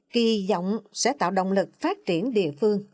kỳ vọng sẽ tạo động lực phát triển địa phương